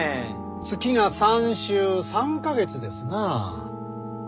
月が３周３か月ですなァー。